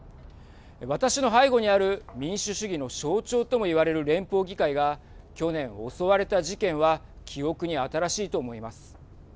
私の背後にある民主主義の象徴ともいわれる連邦議会が去年襲われた事件は記憶に新しいと思います。